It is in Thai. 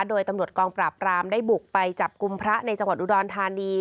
โดยตำรวจกองปราบรามได้บุกไปจับกลุ่มพระในจังหวัดอุดรธานี